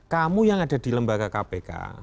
kamu yang ada di lembaga kpk